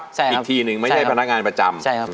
อีกทีหนึ่งไม่ใช่พนักงานประจำ